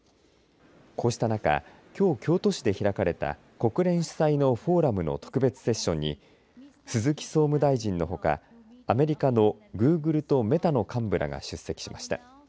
こうした中、きょう京都市で開かれた国連主催のフォーラムの特別セッションに鈴木総務大臣のほかアメリカのグーグルとメタの幹部らが出席しました。